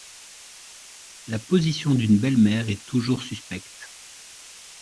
La position d’une belle-mère est toujours suspecte.